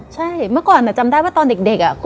ใช่เมื่อก่อนจำได้ว่าตอนเด็ก